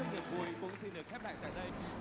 cơ quan cảnh sát điều tra bộ công an